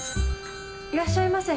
いらっしゃいませ。